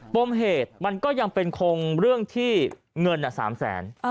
ปมเหตุมันก็ยังเป็นคงเรื่องที่เงิน๓แสน